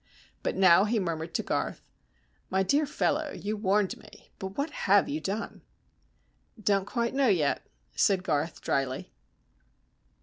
But now he murmured to Garth: "My dear fellow, you warned me but what have you done?" "Don't quite know yet," said Garth, drily.